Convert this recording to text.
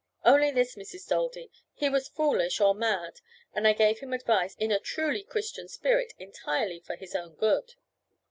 "Only this, Mrs. Daldy: he was foolish or mad, and I gave him advice in a truly Christian spirit, entirely for his own good."